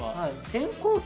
転校生？